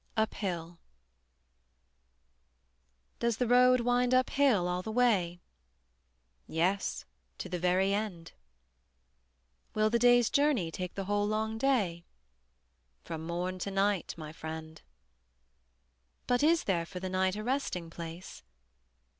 UP HILL. Does the road wind up hill all the way? Yes, to the very end. Will the day's journey take the whole long day? From morn to night, my friend. But is there for the night a resting place?